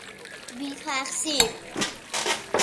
بیتقصیر